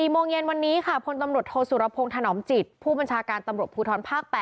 โมงเย็นวันนี้ค่ะพลตำรวจโทษสุรพงศ์ถนอมจิตผู้บัญชาการตำรวจภูทรภาค๘